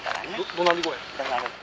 どなり声。